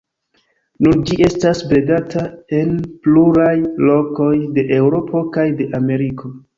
Nun ĝi estas bredata en pluraj lokoj de Eŭropo kaj de Ameriko.